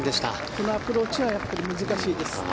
このアプローチは難しいです。